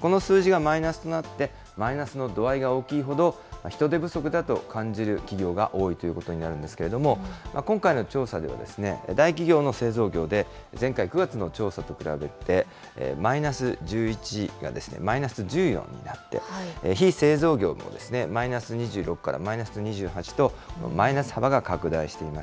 この数字がマイナスとなって、マイナスの度合いが大きいほど、人手不足だと感じる企業が多いということになるんですけれども、今回の調査では、大企業の製造業で、前回・９月の調査と比べて、マイナス１１がマイナス１４になって、非製造業もマイナス２６からマイナスの２８と、マイナス幅が拡大しています。